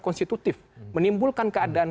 konstitutif menimbulkan keadaan